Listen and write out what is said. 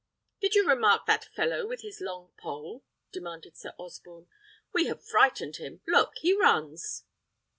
"Did you remark that fellow with his long pole?" demanded Sir Osborne. "We have frightened him: look, he runs!"